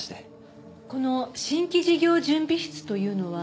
この新規事業準備室というのは？